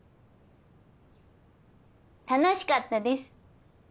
楽しかったです。